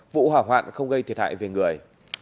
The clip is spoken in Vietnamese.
vụ hỏa hoạn không gây thiệt hại về người